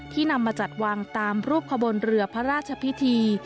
นำมาจัดวางตามรูปขบวนเรือพระราชพิธี